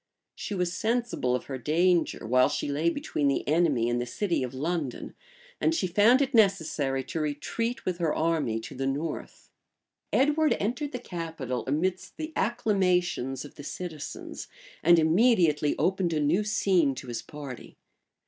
She was sensible of her danger, while she lay between the enemy and the city of London; and she found it necessary to retreat with her army to the north.[] * Holingshed, p. 660. Grafton, p. 652. Edward entered the capital amidst the acclamations of the citizens, and immediately opened a new scene to his party.